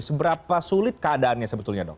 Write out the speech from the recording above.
seberapa sulit keadaannya sebetulnya dok